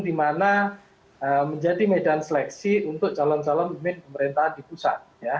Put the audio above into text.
karena menjadi medan seleksi untuk calon calon umum pemerintah di pusat